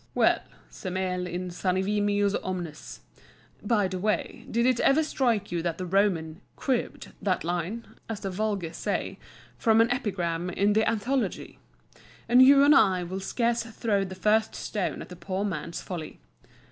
Well, semel insanivimus omnes (by the way, did it ever strike you that the Roman "cribbed" that line, as the vulgar say, from an epigram in the Anthology?), and you and I will scarce throw the first stone at the poor man's folly.